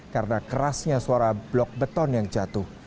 karena kerasnya suara blok beton yang jatuh